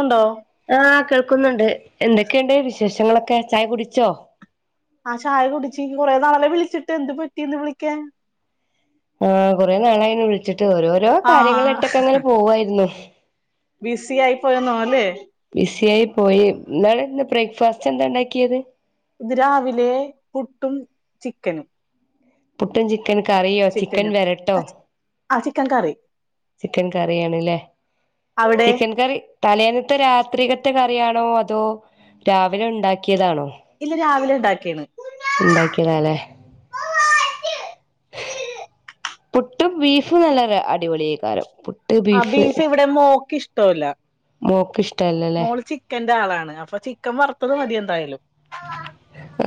ഉണ്ടോ? ആഹ് കേൾക്കുന്നുണ്ട് എന്തൊക്കെയുണ്ട് വിശേഷങ്ങളൊക്കെ ചായ കുടിച്ചോ? ആഹ് ചായ കുടിച്ച് ഇച്ച് കുറെ നാള് ആയല്ലോ വിളിച്ചിട്ട് എന്ത്‌ പറ്റി ഇന്ന് വിളിക്കാൻ ആഹ് കുറെ നാളായി വിളിച്ചിട്ട് ഓരോരോ കാര്യങ്ങളൾ ആഹ് ഇട്ടൊക്കെ അങ്ങനെ പോവായിരുന്നു. ബിസി ആയി പോയന്നോ അല്ലേ? ബിസി ആയി പോയി ഇന്നലെന്ന് ബ്രേക്ക്ഫാസ്റ്റ് എന്താ ഉണ്ടാക്കിയത്? ഇത് രാവിലെ പുട്ടും ചിക്കനും പുട്ടും ചിക്കൻ കറിയോ ചിക്കൻ ചിക്കനും വെരട്ടോ? ആ ചിക്കൻ കറി ചിക്കൻ കറിയണല്ലേ അവിടെ ചിക്കൻ കറി തലേന്നത്തെ രാത്രികത്തെ കറിയാണോ അതോ രാവിലെ ഉണ്ടാക്കിയതാണോ? ഇല്ല രാവിലെ ഉണ്ടാക്കിയാണ്. ഇണ്ടാക്കിയതാല്ലേ? പുട്ടും ബീഫും നല്ലരു അടിപൊളിഅയ്ക്കാരം. ആഹ് ബീഫ് ഇവിടെ മോക്ക് ഇഷ്ടല്ല മോക്ക് ഇഷ്ടല്ലല്ലേ മോള് ചി ക്കന്റെ ആളാണ് അപ്പൊ ചിക്കൻ വറുത്തത് മതിയ എന്തായാലും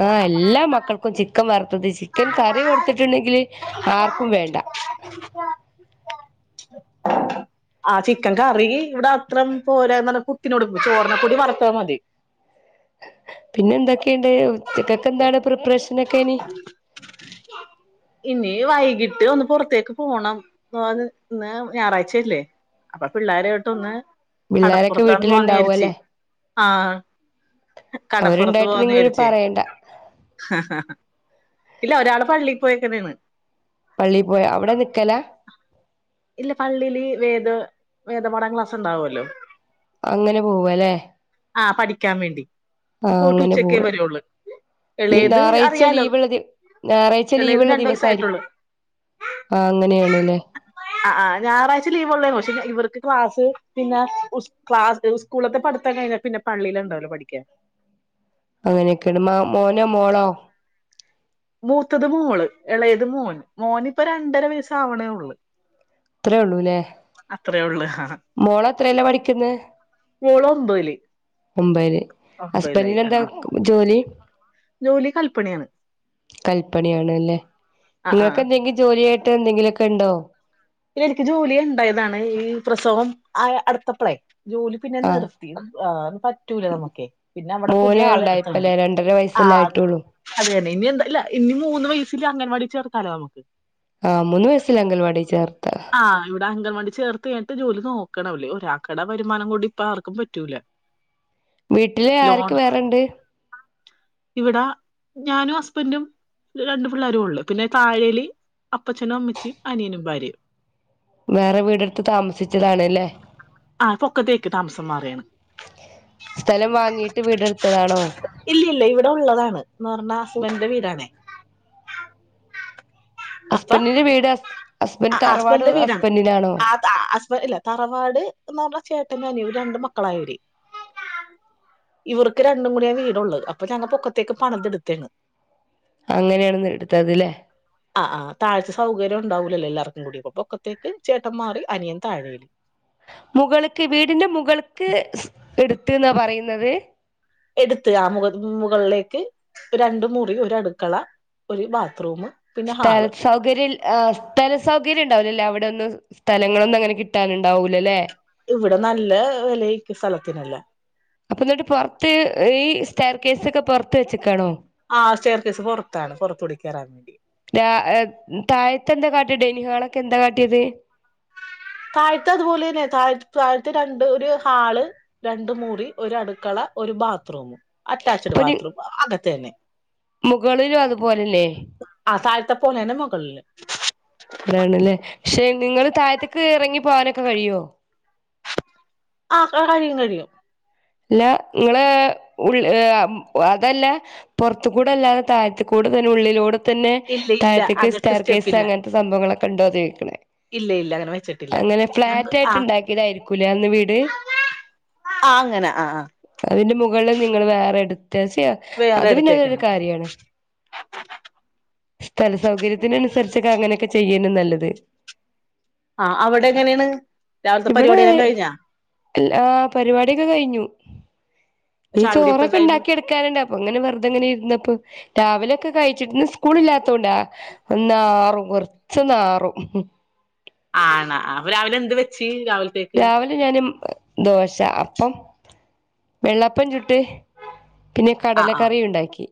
ആഹ് എല്ലാ മക്കൾക്കും ചിക്കൻ വറുത്തത് ചിക്കൻ കറി കൊടുത്തിട്ടുണ്ടെങ്കില് ആർക്കും വേണ്ട [inaudible] ആഹ് ചിക്കൻ കറി ഇവിടെ അത്ര പോരാ പറ കുത്തിനോട് ചോറിനക്കൂടി വളർത്താൽ മതി പിന്നെ എന്തൊക്കെയുണ്ട്ക്കൊക്ക എന്താണ് പ്രിപ്രേഷനൊക്കെനി ഇനി വൈകിട്ട് ഒന്ന് പുറത്തേക്ക് പോണംന്ന് ഇന്ന് ഞായറാഴ്ചയല്ലേ അപ്പൊ പിള്ളോരോട്ട് ഒന്ന് പിള്ളോരൊക്കെ കടപ്പുറത്താന്ന് പോന്ന വീട്ടിലുണ്ടാവും വിചരിച്ചു അല്ലേ ആഹ് കടപ്പുറത്ത് അവരുണ്ടായിട്ട് പോവാന്ന് നിങ്ങ വിചാ പറയണ്ട ഇല്ല ഒരാള് പള്ളി പോയക്കനെയാണ് പള്ളിയിൽ പോയ അവിടെ നിക്കലാ ഇല്ല പള്ളിയില് വേദ വേദ പാഠം ക്ലാസ്സ് ഉണ്ടാവല്ലോ അങ്ങനെ പോവല്ലേ ആഹ് പഠിക്കാൻ വേണ്ടി ആഹ് പോയിട്ട് അങ്ങനെ ഉച്ചക്കേ പോവ വരുള്ളൂ എളേത് ഞായറാഴ്ച അറിയാലോ ലീവള്ള ഞായറാഴ്ച എളേതിന് ലീവ്ള്ള രണ്ട് ദിവസായിരിക്കും വയസ്സായിട്ടുള്ളൂ ആഹ് അങ്ങനെയാണ് അല്ലേ ആഹ് ആഹ് ഞായറാഴ്ച ലീവ്ള്ളേ പക്ഷെ ഇവർക്ക് ക്ലാസ് പിന്നെ ക്ലാസ് സ്ളത്തെ പഠത്താൻ കഴിഞ്ഞാ പിന്നെ പള്ളിയിലുണ്ടാവല്ലോ പഠിക്കാൻ അങ്ങനെയൊക്കെയണ്ട് മ മോനോ മോളോ മൂത്തത് മോള് ഇളയത് മോന് മോന് ഇപ്പോ രണ്ടര വയസ്സ ആവണേ ഉള്ളു അത്രയേ ഉള്ളൂല്ലേ അത്രേ ഉള്ളു ആ മോള എത്രയല്ലേ പഠിക്കന്ന് മോള് ഒമ്പതില് മുംബൈയിൽ ഒമ്പതിലായി ഹസ്ബന്ഡന് ആ എന്താ ജോലി ജോലി കല്പ്പണിയാണ് കല്പ്പണി ആണ് അല്ലേ ആ ആ നിങ്ങക്ക് എന്തെങ്കിലും ജോലിയായിട്ട് എന്തെങ്കിലുമൊക്കെ ഉണ്ടോ പിന്നെ എനിക്ക് ജോലി ഉണ്ടായതാണ് ഈ പ്രസവം ആഹ് അടുത്തപഴേ ജോലി പിന്നെ ആഹ് നിർത്തി പറ്റൂലേ നമ്മുക്കെ പിന്നെ അവിടെ പുതിയ ആള എടുത്ത അല്ലേ രണ്ടര വയസ്സല്ലായിട്ടുള്ളൂ അതെ തന്നെ ഇനി എന്താ ഇല്ല ഇനി മൂന്ന് വയസ്സിൽ അംഗൻവാടി ചേർത്താലോ നമുക്ക് ആഹ് മൂന്ന് വയസ്സൽ അംഗങ്കൽവാടി ചേർത്ത ആഹ് ഇവിടെ അൻവാണ്ടി ചേർത്ത് കഴിഞ്ഞിട്ട ജോലി നോക്കണല്ലേ ഒരാൾകട വരുമാനം കൊണ്ട്ടി ഇപ്പം ആർക്കും പറ്റൂല വീട്ടില് ആരൊക്ക വേറെണ്ട് ഇവിട ഞാനും ഹസ്ബൻ്റും രണ്ടു പിള്ളേരു ഉള്ളു പിന്നെ താഴേൽ അപ്പച്ചനും അമ്മച്ചിയും അനിയനും ഭാര്യയും വേറെ വീടെടുത്ത് താമസിച്ചതാണല്ലേ ആഹ് പൊക്കത്തേക്ക് താമസം മാറുകയാണ് സ്ഥലം വാങ്ങിട്ട് വീടെടുത്തതാണോ ഇല്ലില്ല ഇവ്ടൊള്ളതാണ് ന്നൊർഞ്ഞാ സ്ബന്റെ വീടാണെ അപ്പൊ ബന്റിന്റെ വീട് ഹസ് ഹസ്ബൻ്റ് തറവാട് ഹസ്ബൻഡന്റെ വീടാണ് ഹസ്ബൻ്റിനാണോ ആ ഹസ്ബൻറ് ഇല്ല തറവാട് ന്ന് പർഞ്ഞ ചേട്ടനു അനിയന് രണ്ട് മക്കളായിവര് ഇവർക്ക് രണ്ടും കൂടിയാ വീടൊള്ളെ അപ്പൊ ഞങ്ങ പൊക്കത്തേക്ക് പണിതിട്ത്തേണ് അങ്ങെനേണെ ന്ന് എട്ത്തത് ലെ ആഹ് ആഹ് താഴത്തെ സൗകര്യൊണ്ടാവു ല്ലല്ലോ എല്ലാർക്കും കൂടി പൊക്കത്തേക്ക് ചേട്ട മാറി അനിയൻ താഴേ മുകള്ക്ക് വീടിന്റെ മുകള്ക്ക് ഇട്ത്ത്ന്നാ പറയ്ന്നത് എട്ത്ത് ആഹ് മുക മുകൾലേക്ക് രണ്ട് മുറി ഒരട്ക്കള ഒരു ബാത്ത്റൂമ് സ്ഥെൽ സൗകര്യൽ ഏഹ് സ്ഥല സൗകര്യണ്ടാവ്ല ലേ അവ്ടെന്നു സ്ഥലങ്ങളൊന്നും അങ്ങനെ കിട്ടാനിണ്ടാവൂലല്ലേ ഇവിടെ നല്ല വെലെയ്ക്കു സലത്തിനല്ല അപ്പൊന്നിട്ട് പൊറത്ത് ഈ സ്റ്റെയർകേസെക്കെ പൊർത്ത് വെച്ചക്കാണോ ആഹ് സ്റ്റേർകേസ് പൊർത്താണ് പൊർത്തൂടി കേറാവേണ്ടി ആ ഏഹ് താഴത്തെന്താ കാട്ട്യെ ഡെയ്നിഹാളക്കെന്താ കാട്ട്യേത് താഴ്ത്തത്പോലെന്നെ തഴത് താഴത്ത് രണ്ട് ഒര് ഹാള് രണ്ടുമുറി ഒരു അടുക്കള ഒരു ബാത്ത്റൂമും അറ്റാച്ച്ഡ് അപ്പൊ നി ബാത്രൂം അകത്തെന്നെ മുകളിലും അതുപോലെല്ലേ ആഹ് താഴത്തെ പോലെന്നെ മുകളില് അവിടെണ്ല്ലേ ഷെ നിങ്ങള് താഴത്തക്ക് ഇറങ്ങി പോകാനൊക്കെ കഴിയോ ആഹ് കഴിയും കഴിയും അല്ല ഇങ്ങള് ഉള് ഏഹ് അതല്ല പൊർത്തിക്കൂടല്ലാതെ തായ്ത്തിക്കൂടെ തന്ന ഉള്ളിലൂടെ തന്നെ ഇല്ല ഇല്ല തായ്ത്തിക്ക് അകത്ത് സ്റ്റാർ കേസ് സ്റ്റെപ്പില്ല അങ്ങൻത്തെ സംഭവങ്ങളൊക്കെണ്ടോന്ന ചോയ്ക്കണേ ഇല്ലയില്ല അങ്ങനെ വെച്ചിട്ട് അങ്ങനെ ഫ്ളാറ്റായിട്ട് ഇണ്ടാക്ക്യേതായിരിക്കൂല്ലേ അന്ന് വീട് ആഹ് അങ്ങനെ ആഹ് ആഹ് അതിന്റെ മുകള്ള് നിങ്ങള് വേറെ എടുത്ത ചെയ്യ വേറെ അത് പിന്നതൊരു എടുത്തേക്കണം കാര്യാണ് സ്ഥല സൗകര്യത്തിനന്സരിച്ചൊക്കെ അങ്ങനൊക്കെ ചെയ്യന്നെ നല്ലത് ആഹ് അവടെ എങ്ങെനേണ് ഇവിടെ ഏൽ ആഹ് പരിപാട്യൊക്കെ കൈഞ്ഞു ഈ ചായ കുടിയൊക്കെ എന്തായിന് ചോറൊക്കെണ്ടാക്കി എടു കാനിണ്ടപ്പ അങ്ങനെ വെർതെങ്ങനെര്ന്നപ്പൊ രാവിലൊക്കെ കഴിച്ച് ഇന്ന് സ്കൂളില്ലത്തോണ്ടാ ഒന്നാറും കൊർച്ചൊന്നാറും ആണ അപ രാവിലെന്ത് വെച്ച് രാവിലെ രാവിലെ ഞാന് ദോശ അപ്പം വെള്ളപ്പം ചുട്ട് പിന്നെ കടല ആഹ് ആഹ് കറിയുണ്ടാക്കി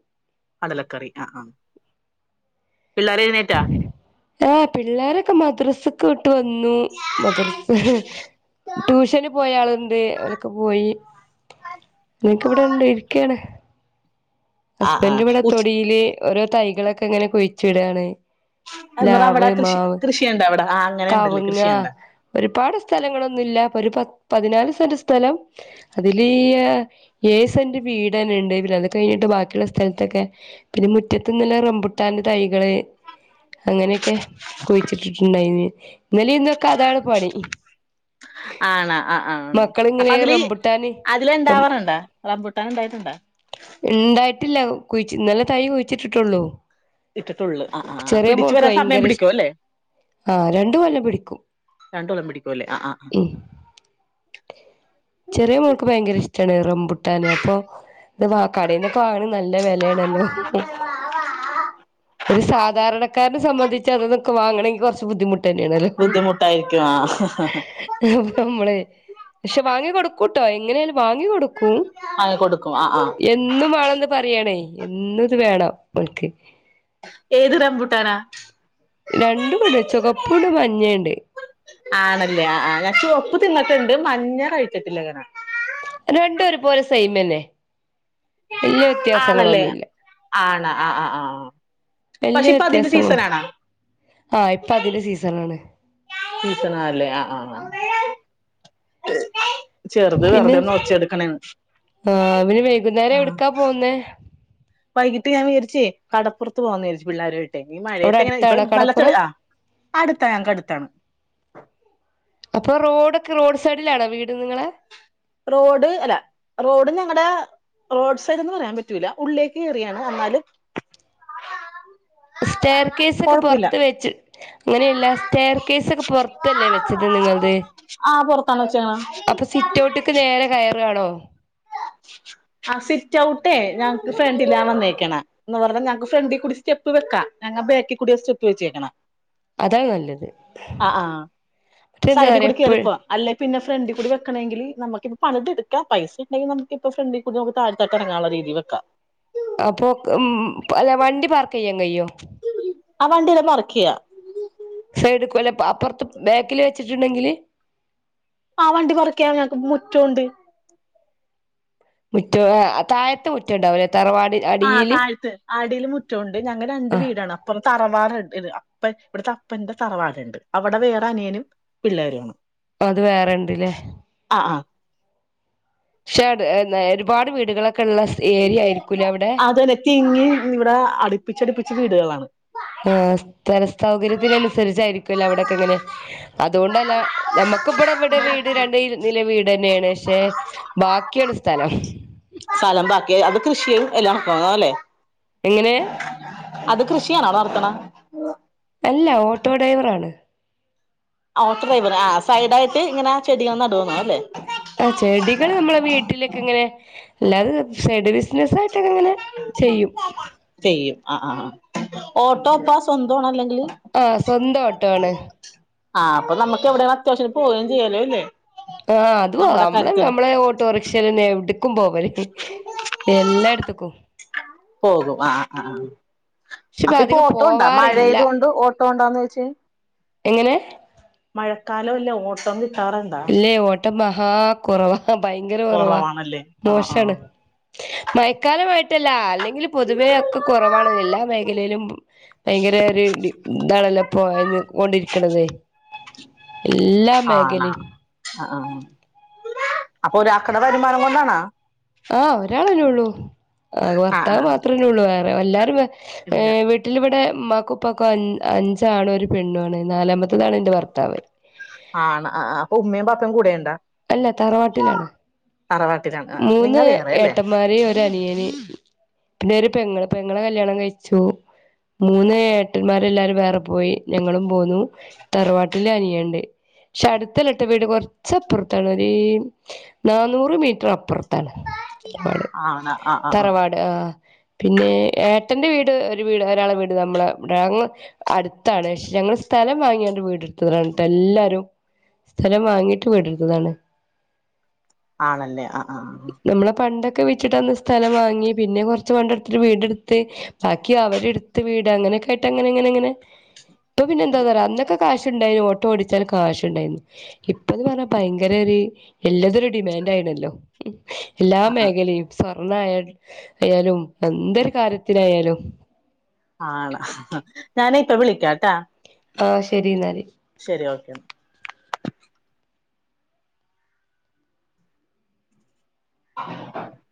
കടലക്കറി ആഹ് ആഹ് പിള്ളേരേത് നേ ആഹ് പിള്ളേരൊക്കെ മദ്രസ് ട്ട് വന്നു മദ്റസ് ട്യൂഷന് പോയാളിണ്ട് ഓലൊ ക്കെ പോയി നിക്ക് ഇവ്ടെണ്ട് ഇരിക്കേണ് ആഹ് ആഹ് ഹസ്ബന്റിവ്ടെ ഉച്ച തൊടീല് ഓരോ തൈകളൊക്കെങ്ങനെ കുയ്ച്ചിടാണ് എന്നടവ്ടെ കൃഷി കൃഷിയിണ്ടവ്ടെ ആഹ് അങ്ങനെണ്ടല്ലേ കവുങ്ങ കൃഷിണ്ടാ ഒരുപാട് സ്ഥലങ്ങളൊന്നുല്ല ഒരു പ പതിനാല് സെന്റ് സ്ഥലം അതില് ഏഹ് ഏയ് സെന്റ് വീടെന്നെണ്ട് പിന്നെത് കൈഞ്ഞിട്ട് ബാ ക്കിള്ളെ സ്ഥൽത്തൊക്കെ പിന്നെ മുറ്റത്ത്ന്തല്ല റംമ്പുട്ടാന്റെ തൈകള് അങ്ങനെക്കെ കുയ്ച്ചിട്ടിട്ടിണ്ടായ്നി ഇന്നെലിന്നൊക്കെ അതാണ് പണി ആണ ആഹ് ആഹ് ഉം മക്കളിങ്ങനെ അപ്പതില് റംബുട്ടാന് അതില് ഇണ്ടാവാറ്ണ്ട റബ്ബുട്ടനിണ്ടായ്ട്ടിണ്ട ഇണ്ടായ്ട്ടില്ല കുയ്ച്ച് ഇന്നലെ തൈ കുയ്ച്ചിട്ടിട്ടുള്ളൂ ഇട്ടിട്ടൊള്ള് ആഹ് ആഹ് പിടിച്ചു വരാൻ സമയം ഭയങ്കര ഇഷ് പിടിക്കുവല്ലേ ആഹ് രണ്ട് കൊല്ലം പിടിക്കും രണ്ടോളം പിടിക്കും അല്ലേ ആഹ് ആഹ് ഉം ചെറിയ മോൾക്ക് ഭയങ്കര ഇഷ്ടമാണ് റംബുട്ടാന് അപ്പൊ ആഹ് കടയിന്നൊക്കെക്കാളും നല്ല വിലയാണല്ലോ ഒരു സാധാരണക്കാരന സംബന്ധിച്ച് അതൊക്കെ വാങ്ങണമങ്കിൽ കുറച്ച് ബുദ്ധിമുട്ട് തന്നെയല്ലോ ബുദ്ധിമുട്ടായിരിക്കും ആഹ് മ്മള് പക്ഷെ വാങ്ങി കൊടുക്കൂട്ടോ എങ്ങനെയാലും വാങ്ങി കൊടുക്കൂ ആയ കൊടുക്കും ആ ആഹ് ഇന്നും വേണന്ന് പറയണേ എന്നും ഇത് വേണം അവൾക്ക് ഏത് റംമ്പൂട്ടാനാ രണ്ടുംടെ ചുകപ്പുണ്ട് മഞ്ഞണ്ട് ആണല്ലേ ആ ഞാൻ ചൊവ്വപ്പ് തിന്നിട്ടുണ്ട് മഞ്ഞ കഴിച്ചട്ടില്ലങ്ങനാ രണ്ടൂ ഒരു പോലെ സൈമന്നെ വലിയ ആണല്ലേ വ്യത്യാസങ്ങളൊന്നുമില്ല. ആണ് ആ ആ ആ വലിയ പക്ഷെ ഇപ്പൊ അതിന്റെ വ്യത്യാസങ്ങൾ സീസൺ ആണോ ആഹ ഇപ്പൊ അതിന്റെ സീസൺ ആണ്. സീസണാ ലേ ആ ആഹ് പിന്നെ ആ പിന് വൈകുന്നേരം ആ എവിടുക്കാ പോവുന്നേ? വൈകിട്ട് ഞാ വിചാരിച്ച് കടപ്പുറത്ത് പോകാ എന്ന് വിചാരിച്ച് പിള്ളേരു ഈ അവിടെ മഴയത്തെ എങ്ങനെ ഇപ്പൊ അടുത്താണോ നല്ല ചെളി കടപ്പുറം ആ അടുത്താ, ഞങ്ങക്ക് അടുത്താണ്. അപ്പൊ റോഡ്ക്കെ റോഡ് സൈഡിലാണോ വീട് നിങ്ങളെ റോഡ് അല്ല റോഡ് ഞങ്ങളടെ റോഡ് സൈഡ് എന്ന് പറയാൻ പറ്റൂല്ല. ഉള്ളിലേക്ക് കയറിയാണ് എന്നാലും സ്റ്റെയർ കേസ് ഒക്കെ കൊഴപ്പില്ല പുറത്ത് വെച്ച് അങ്ങനെയല്ല സ്റ്റെയർ കേസ് ഒക്കെ പൊറത്തല്ലേ വെച്ചത് നിങ്ങളത് ആ പുറത്താണ് വെച്ചേക്കണെ അപ്പൊ സിറ്റോട്ടക്ക് നേരെ കയറയാണോ?. ആ സിറ്റ് ഔട്ടേ ഞങ്ങക്ക് ഫ്രണ്ടില്ലാ വന്നേക്കണ എന്ന് പറഞ്ഞാ ഞങ്ങക്ക് ഫ്രണ്ടിൽ കൂടി സ്റ്റെപ്പ് വെക്കാം. ഞങ്ങ ബാക്കി കൂടി സ്റ്റെപ്പ് വെച്ചേക്കണ അതാ നല്ലത് ആ ആഹ് മറ്റെന്താ സൈഡിൽ പറയാ കൂടി എപ്പോഴും കയറിപ്പോവാ അല്ലെ പിന്നെ ഫ്രണ്ട് കൂടി വെക്കണമെങ്കിൽ നമുക്കിപ്പ പണിത എടുക്കാം പൈസ ടി നമക്കിപ്പോ ഫ്രണ്ടിൽ കുടി നു താഴത്തക്കിറങ്ങാനുള്ള രീതി വക്കാം. അപ്പൊ ഉം അല്ല വണ്ടി പാർക്ക് ചെയ്യാൻ കയിയോ? ആ വണ്ടിയെല്ലാം പാർക്ക് ചെയ്യാം. സൈഡ് കൊല്ല അപ്പുറത്ത് ബേക്കിൽ വെച്ചിട്ടുണ്ടെങ്കില് ആ വണ്ടി പാർക്കയ്യാ ഞങ്ങക്ക് മുറ്റോണ്ട്. മുറ്റ താഴത്ത് മുറ്റംണ്ടാവില്ല തറവാടി ആ അടിയില് താഴ്ത്തു ആടിയിൽ മുറ്റംണ്ട് ഞങ്ങ രണ്ട് ആ വീടാണ്. അപ്പ തറവാടുണ്ട് അപ്പ ഇവിടുത്തെ അപ്പന്റെ തറവാടുണ്ട് അവിടെ വേറെ അനിയനും പിള്ളേരാണ്. അത് വേറെണ്ടല്ലേ?. ആ ആ പക്ഷേ ഒരുപാട് വീടുകളൊക്കെ ഉള്ള ഏരിയ ആയിരിക്കൂലേ അവിടെ അത് തന്നെ തിങ്ങി ഇവിടെ അടുപ്പിച്ചടുപ്പിച്ച് വീടുകളാണ്. ആ സ്ഥല സൗകര്യത്തിന് അനുസരിച്ചായിരിക്കുംല്ലോ അവിടൊക്കെ അങ്ങനെ അതുകൊണ്ടല്ല, നമ്മുക്കിപ്പടെ ഇവിടെ വീട് രണ്ട് ഇരു നില വീട് തന്നെയാണ് പക്ഷെ ബാക്കിയാണ് സ്ഥലം. സ്ഥലം ബാക്കി അത് കൃഷി എല്ലാം കാണു അല്ലേ?. എങ്ങനെ അത് കൃഷിയണോ നടത്തണ ങ്ങ അല്ല ഓട്ടോ ഡ്രൈവർ ആണ്. ആ ഓട്ടോ ഡ്രൈവർ ആ സൈഡായിട്ട് ഇങ്ങനെ ആ ചെടികൾ നടുവന്നോ അല്ലേ ആ ചെടികൾ നമ്മളെ വീട്ടിലേക്കെ ഇങ്ങനെ അല്ലാതെ സൈഡ ബിസിനസ് ആയിട്ടൊക്കെ ഇങ്ങനെ ചെയ്യും. ചെയ്യും ആ ആ ഓട്ടോ പാസ് എന്തോണ അല്ലെങ്കിൽ ആഹ് സ്വന്തം ഓട്ടോ ആണ് ആ അപ്പൊ നമുക്ക് എവിടെയ അത്യാവശ്യം പോവുക ചെയ്യാലോ, അല്ലേ ആഹ് അത് പോവാ നമ്മുടെ നമ്മള് കാര്യത്തിന് നമ്മളെ ഓട്ടോറിക്ഷൽ എടുക്കുമ്പോ എല്ലായിടത്തക്കും. പോകും ആ ആ ആ പക്ഷെ ഇപ്പ അപ്പൊ ഇപ്പൊ അധികം ഓട്ടോ ഉണ്ടാ. പോവാറില്ല മഴയായത് കൊൊണ്ട് ഓട്ടോ ഉണ്ടാന്ന് വെച്ചാൽ എങ്ങനെ? മഴക്കാലം അല്ല ഓട്ടം കിട്ട ല്ലേ ഓട്ടം മഹാ കൊറവാ ഭയങ്കര കൊറവാ കുറവാണല്ലേ ആ ആ മോശാണ് മയക്കാലമായ്ട്ടല്ല അല്ലെങ്കിൽ പൊതുവേ ഒക്ക കൊറവാണ് എല്ലാ മേഖലയിലും വയ്ങ്കര രു താണല്ലോ പ്പൊ ഇന്ന് പോയി കൊണ്ടിരിക്കണത് എല്ലാ ആണാ മേഖലിം ആ ആ അപ്പൊരാക്കട വരുമാനം കൊണ്ടാണാ ആ ഒരാളല്ലേ ഉള്ളൂ ആ ആ ഭർത്താവ് മാത്രല്ലേള്ളൂ വേറെ എല്ലാരും വെ ഇല്ല വീട്ടിലിവടെ മ്മാക്കുപ്പാക്കും അ അഞ്ചാണു ഒരു പെണ്ണു ആണ് നാലാമത്തതാണ് ന്റെ ഭർത്താവ് ആണ് അ അ അപ്പോ ഉമ്മേം ബാപ്പേം കൂടെണ്ടാ അല്ല തറവാട്ടിലാണ് തറവാട്ടിലാണ് ആ നിങ്ങ മൂന്ന് വേറെ അല്ലേ ഏട്ടന്മാരീ ഒരനിയനീ പിന്നെ ഒരു പെങ്ങള് പെങ്ങളെ കല്യാണം കയ്ച്ചു മൂന്ന് ഏട്ടന്മാരെല്ലാരും വേറെ പോയി ഞങ്ങളും പോന്നു തറവാട്ടിലനിയണ്ട് ഷട്ത്തല്ലട്ടോ വീട് കൊർച്ചപ്പറം തണരീ നാന്നൂറ് മീറ്ററപ്പർത്താണ് വാട് ആണ് ആ ആ ആ തറവാട് ആഹ് പിന്നെ ഏട്ടന്റെ വീട് ഒരു വീട് ഒരാളെ വീട് നമ്മളെ [unintelligible] ങ്ങ് അട്ത്താണ് ഷെ ഞങ്ങള് സ്ഥലം വാങ്യാണ്ട് വീട് എട്ത്തതാണ് ട്ടെല്ലാരും സ്ഥലം വാങ്ങീട്ട് വിട് ട്ത്തതാണ് ആണല്ലേ അഹ് ആ നമ്മളെ പണ്ടൊക്കെ വിറ്റിട്ടന്ന് സ്ഥലം വാങ്ങി പിന്നെ കൊർച്ച് പണ്ടട്ത്തിട്ട് വീട് ട്ത്ത് ബാക്കി അവരിട്ത്ത് വീട് അങ്ങനെക്കെയ്ട്ടങ്ങനങ്ങനെങ്ങനെ [inaudible] പ്പ പിന്നെ ന്താന്നറയാ അന്നക്ക കാശ് ണ്ടായ്നു ഓട്ടോടിച്ചാലും കാശ്ണ്ടായ്ന്നു ഇപ്പന്ന് പറഞ്ഞ ഭയങ്കര ഒര് എല്ലതരു ഡിമാൻഡ് ആയ്ണല്ലോ എല്ലാ ആ ആ മേഖലയും സ്വർണായാലും എന്തൊരു കാര്യത്തിനായാലും ആണ ഞാനിപ്പ വിളിക്കാട്ടാ ആ ശരി ന്നാല് ശരി ഓക്കെ ന്നാ [inaudible]